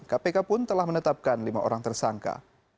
kpk pun telah menetapkan lima orang tersangka